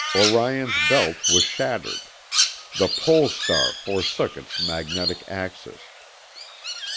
Orion's belt was shattered; the Pole Star forsook its magnetic axis.